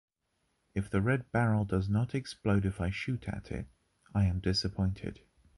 If the red barrel does not explode, if I shoot at it, I am disappointed.